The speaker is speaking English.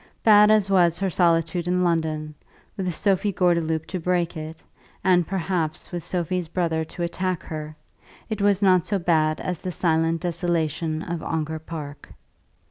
Bad as was her solitude in London, with Sophie Gordeloup to break it, and perhaps with Sophie's brother to attack her, it was not so bad as the silent desolation of Ongar Park.